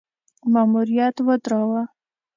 ماموریت ودراوه.